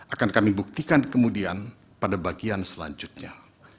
akan kami buktikan kemudian pada bagian selanjutnya